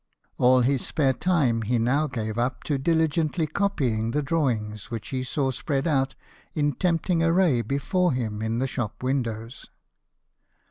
All his spare time he now gave up to diligently copying the drawings which he saw spread out in tempting array before him in the shop windows.